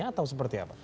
atau seperti apa